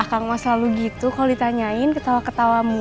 akang mau selalu gitu kalau ditanyain ketawa ketawamu